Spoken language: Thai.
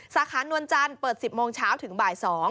สาขานวลจันทร์เปิด๑๐โมงเช้าถึงบ่าย๒